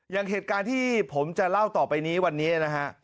อย่างเหตุการณ์ที่ผมจะเล่าต่อไปนี้วันนี้นะฮะ